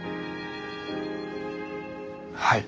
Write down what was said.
はい。